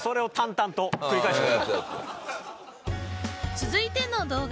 続いての動画は。